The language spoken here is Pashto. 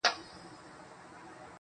• زما گلاب زما سپرليه، ستا خبر نه راځي.